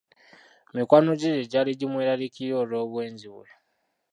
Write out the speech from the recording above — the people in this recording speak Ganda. Mikwano gye gyali gimweraliikirira olw'obwenzi bwe.